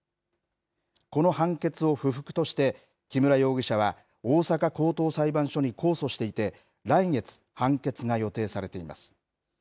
この判決を不服として、木村容疑者は大阪高等裁判所に控訴していて、来月、判決が予定されています。